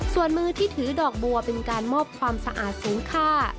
ส่วนมือที่ถือดอกบัวเป็นการมอบความสะอาดสูงค่า